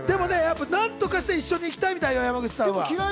何とかして一緒に行きたいみたいよ、山口さんは。